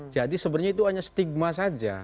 jadi sebenarnya itu hanya stigma saja